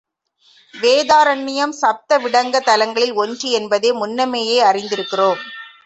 வேதாரண்யம் சப்த விடங்கத் தலங்களில் ஒன்று என்பதை முன்னமேயே அறிந்திருக்கிறோம்.